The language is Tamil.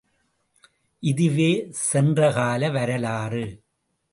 இதுவே சென்ற கால வரலாறு.